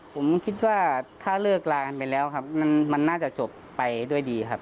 ผมคิดว่าถ้าเลิกลากันไปแล้วครับมันน่าจะจบไปด้วยดีครับ